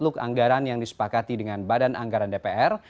teluk anggaran yang disepakati dengan badan anggaran dpr